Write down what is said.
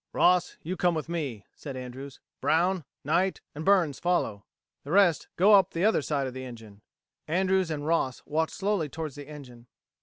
"Ross, you come with me," said Andrews. "Brown, Knight, and Burns follow. The rest go up the other side of the engine." Andrews and Boss walked slowly towards the engine.